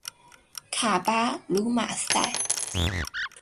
卡巴卢马塞。